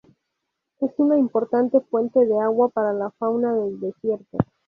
Es una importante fuente de agua para la fauna del desierto.